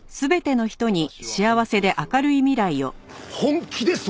私は本気ですよ。